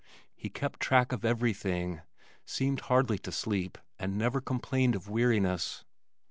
He kept track of everything, seemed hardly to sleep and never complained of weariness.